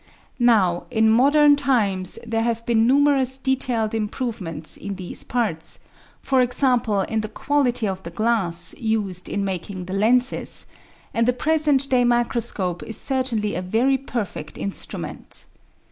Now, in modem times, there have been numerous detailed improvements in these SU The Outline of Science parts, e.g. in the quality of the glass used in making the lenses; and a present day microscope is certainly a very perfect instru ment.